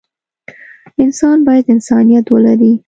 انسان بايد انسانيت ولري.